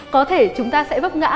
có thể chúng ta sẽ bấp ngã